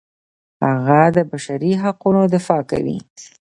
هغه د بشري حقونو دفاع کوي.